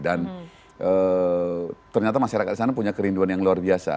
dan ternyata masyarakat sana punya kerinduan yang luar biasa